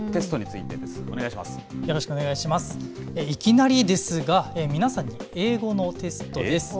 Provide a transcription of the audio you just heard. いきなりですが、皆さんに英語のテストです。